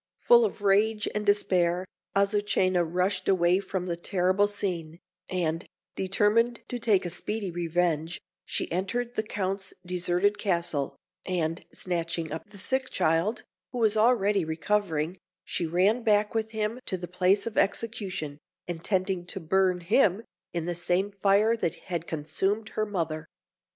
Full of rage and despair, Azucena rushed away from the terrible scene, and, determined to take a speedy revenge, she entered the Count's deserted castle, and snatching up the sick child who was already recovering she ran back with him to the place of execution, intending to burn him in the same fire that had consumed her mother.